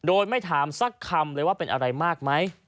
โดยไม่ถามสักคำเลยว่าเป็นอะไรมากไหม